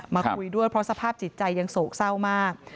มาคุยด้วยเพราะสภาพจิตใจยังโศกเศร้ามาก